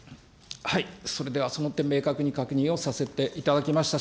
それではその点を明確に確認をさせていただきましたし、